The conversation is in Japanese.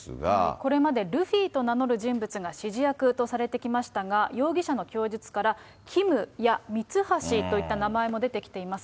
これまでルフィと名乗る人物が指示役とされてきましたが、容疑者の供述から、ＫＩＭやミツハシといった名前も出てきています。